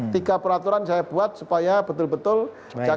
tiga peraturan saya buat supaya betul betul tidak karena itu